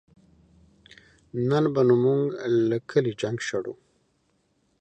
نن به نو مونږ له کلي جنګ شړو